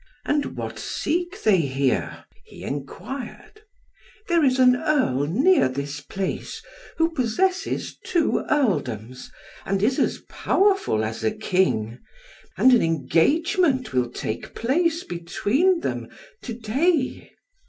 "And what seek they here?" he enquired. "There is an Earl near this place, who possesses two Earldoms, and is as powerful as a king; and an engagement will take place between them to day."